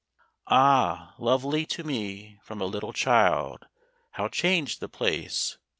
Ah, lovely to me from a little child, How changed the place!